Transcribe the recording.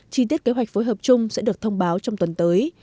chi tiết kế hoạch phối hợp chung sẽ được thông báo trong tuần tới